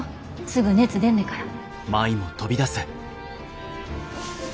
すぐ熱出んねから。